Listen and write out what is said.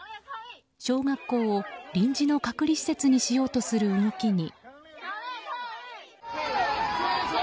小学校を臨時の隔離施設にしようとする動きに。